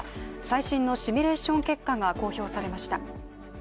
最新のシミュレーション結果が公表されました